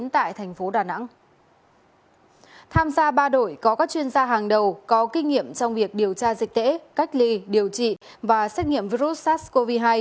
tại thành phố đà nẵng tham gia ba đội có các chuyên gia hàng đầu có kinh nghiệm trong việc điều tra dịch tễ cách ly điều trị và xét nghiệm virus sars cov hai